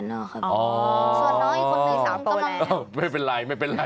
อ๋อส่วนน้องอีกคนหนึ่ง๓ตัวแหละ